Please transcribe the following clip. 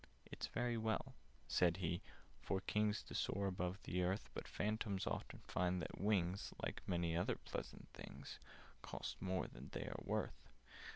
"It's very well," said he, "for Kings To soar above the earth: But Phantoms often find that wings— Like many other pleasant things— Cost more than they are worth.